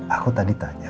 aku tadi tanya